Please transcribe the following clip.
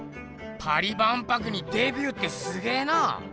パリ万博にデビューってすげーな！